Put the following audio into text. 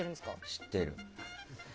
知ってる。